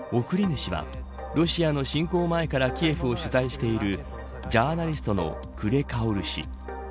送り主はロシアの侵攻前からキエフを取材しているジャーナリストのクレ・カオル氏。